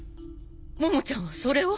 モモちゃんはそれを？